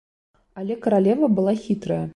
Але каралева была хітрая.